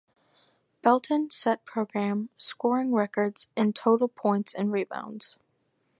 Belton set program scoring records in total points and rebounds.